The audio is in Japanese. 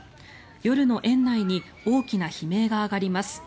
夜の園内に大きな悲鳴が上がります。